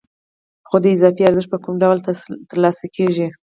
خو دا اضافي ارزښت په کوم ډول ترلاسه کېږي